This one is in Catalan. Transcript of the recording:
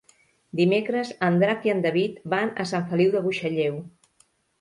Dimecres en Drac i en David van a Sant Feliu de Buixalleu.